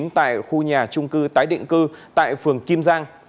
tại khu nhà trung cư tái định cư tại phường kim giang